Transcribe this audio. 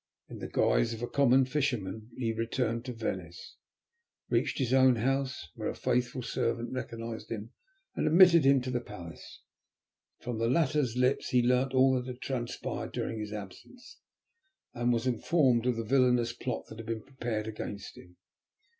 In the guise of a common fisherman he returned to Venice; reached his own house, where a faithful servant recognized him and admitted him to the palace. From the latter's lips he learnt all that had transpired during his absence, and was informed of the villainous plot that had been prepared against him.